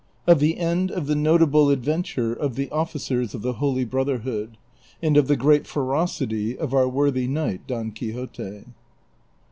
OF THE END OF THE NOTABLE ADVENTURE OP THE OFFICERS OF THE HOLY BROTHERHOOD ; AND OF THE GREAT FEROC ITY OF OUR WORTHY KNIGHT, DON QUIXOTE.